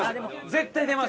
絶対出ます！